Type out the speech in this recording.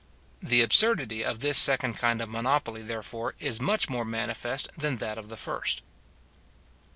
The absurdity of this second kind of monopoly, therefore, is much more manifest than that of the first.